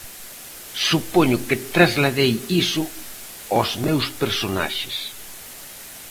Supoño que trasladei iso aos meus personaxes.